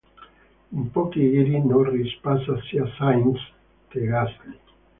In pochi giri Norris passa sia Sainz Jr. che Gasly.